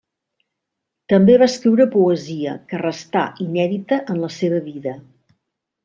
També va escriure poesia, que restà inèdita en la seva vida.